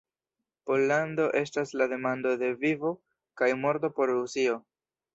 Pollando estas la demando de vivo kaj morto por Rusio.